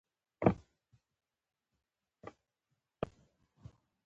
څلور ځوابه پوښتنې هر سم ځواب یوه نمره لري